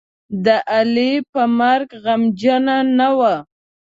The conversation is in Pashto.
د علي په مرګ غمجنـه نه وه.